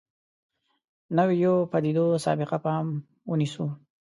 نویو پدیدو سابقه پام ونیسو.